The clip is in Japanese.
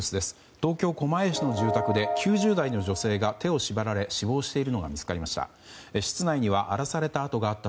東京・狛江市の住宅で９０代の女性が、手を縛られ死亡しているのが見つかりました。